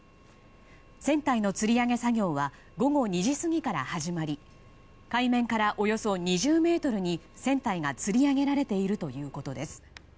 船体のつり上げ作業は午後２時過ぎから始まり海面からおよそ２０ｍに船体がつり上げられているということです。